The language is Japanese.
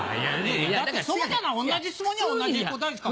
だってそうじゃない同じ質問には同じ答えしか。